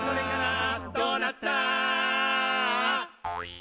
「どうなった？」